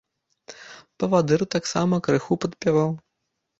Павадыр таксама крыху падпяваў.